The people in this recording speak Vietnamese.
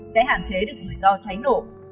sẽ hạn chế được rủi ro cháy nổ